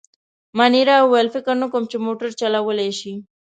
مانیرا وویل: فکر نه کوم، چي موټر چلولای شي.